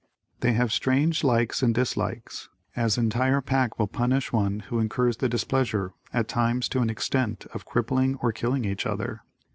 They have strange likes and dislikes. As entire pack will punish one who incurs the displeasure at times to an extent of crippling or killing each other.